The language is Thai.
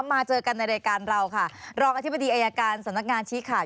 มาเจอกันในรายการเราค่ะรองอธิบดีอายการสำนักงานชี้ขาด